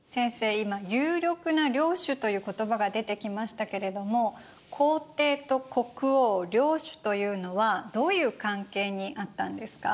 今「有力な領主」という言葉が出てきましたけれども皇帝と国王領主というのはどういう関係にあったんですか？